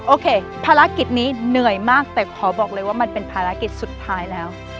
โอเคภารกิจนี้เหนื่อยมากแต่ขอบอกเลยว่ามันเป็นภารกิจสุดท้ายแล้ว